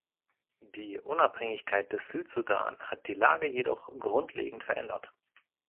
Die Unabhängigkeit des Südsudan hat die Lage jedoch grundlegend verändert.